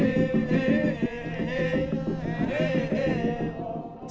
ketukannya pun tak sempat